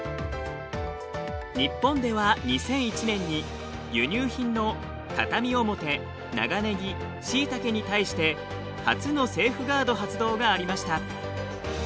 日本では２００１年に輸入品の畳表長ネギシイタケに対して初のセーフガード発動がありました。